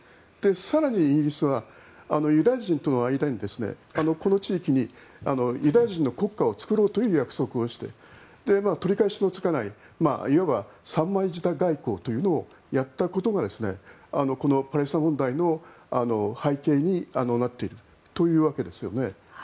更にイギリスはユダヤ人との間にこの地域にユダヤ人の国家を作ろうという約束をして取り返しのつかないいわば三枚舌外交というのをやったことがこのパレスチナ問題の背景になっているという訳ですよね。